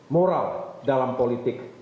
moral dalam politik